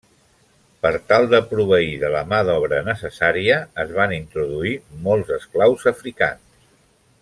Per tal de proveir de la mà d'obra necessària, es van introduir molts esclaus africans.